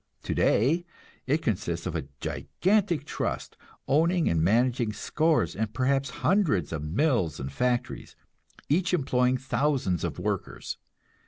Today it consists of a gigantic trust, owning and managing scores and perhaps hundreds of mills and factories, each employing thousands of workers.